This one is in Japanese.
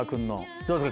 どうですか？